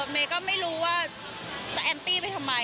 เมย์ก็ไม่รู้ว่าจะแอนตี้ไปทำไม